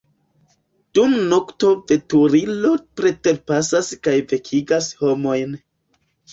Dum nokto veturilo preterpasas kaj vekigas homojn.